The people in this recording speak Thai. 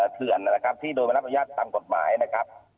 เถื่อนนะครับที่โดยไม่รับอนุญาตตามกฎหมายนะครับ